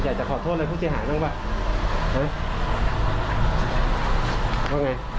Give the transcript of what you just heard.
อยากจะขอโทษเลยผู้เสียหายต้องไหม